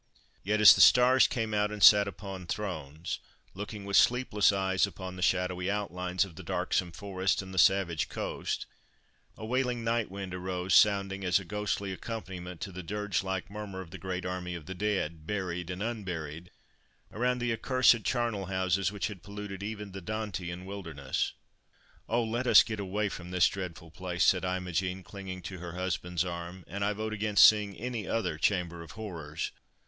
Yet as the stars came out and sat upon thrones, looking with sleepless eyes upon the shadowy outlines of the darksome forest and the savage coast, a wailing nightwind arose sounding as a ghostly accompaniment to the dirge like murmur of the great army of the dead—buried and unburied—around the accursed charnel houses, which had polluted even that Dantean wilderness! "Oh! let us get away from this dreadful place!" said Imogen, clinging to her husband's arm, "and I vote against seeing any other Chamber of Horrors.